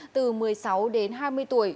từ một mươi sáu đến hai mươi tuổi